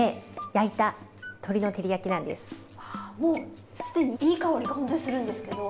あもう既にいい香りがほんとにするんですけど。